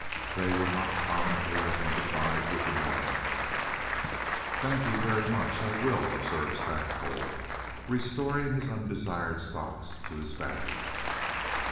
They were not prominently identified with the magnate.) "Thank you very much. I will," observed Stackpole, restoring his undesired stocks to his bag.